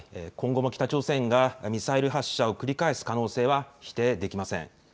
今後も北朝鮮がミサイル発射を繰り返す可能性は否定できません。